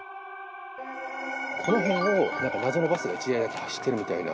この辺をなんか謎のバスが１台だけ走ってるみたいな。